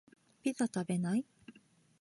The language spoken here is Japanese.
ピザ食べない？